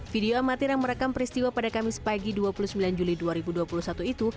video amatir yang merekam peristiwa pada kamis pagi dua puluh sembilan juli dua ribu dua puluh satu itu